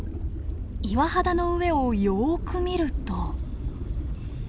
岩肌の上をよく見ると。